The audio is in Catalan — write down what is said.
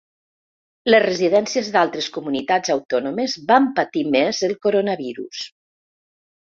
Les residències d'altres comunitats autònomes van patir més el coronavirus.